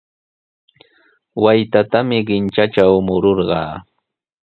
Waytatami qintrantraw mururqaa.